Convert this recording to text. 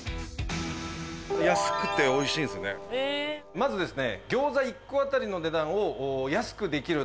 まずですね